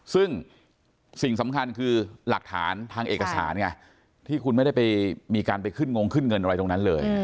ซึ่งสิ่งสำคัญคือหลักฐานทางเอกสารไงที่คุณไม่ได้ไปมีการไปขึ้นงงขึ้นเงินอะไรตรงนั้นเลย